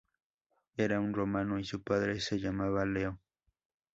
Era un romano, y su padre se llamaba Leo.